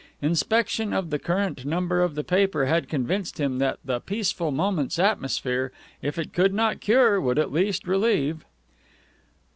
Inspection of the current number of the paper had convinced him that the Peaceful Moments atmosphere, if it could not cure, would at least relieve.